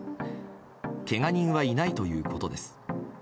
けが人はいないということです。